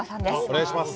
お願いします。